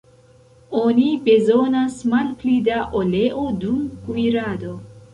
Oni bezonas malpli da oleo dum kuirado.